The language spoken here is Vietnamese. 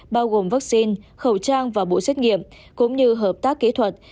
bao gồm vaccine khẩu trang và bộ xét nghiệm cũng như hợp tác kỹ thuật